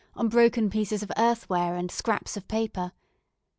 on broken pieces of earthenware and scraps of paper.